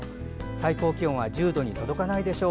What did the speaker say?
最高気温は１０度に届かないでしょう。